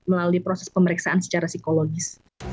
melalui proses pemeriksaan secara psikologis